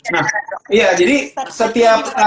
nah iya jadi setiap